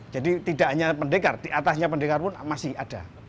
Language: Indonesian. jadi tidak hanya pendekar di atasnya pendekar pun masih ada